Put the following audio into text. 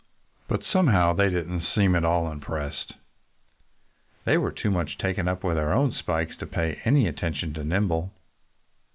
But somehow they didn't seem at all impressed. They were too much taken up with their own spikes to pay any attention to Nimble.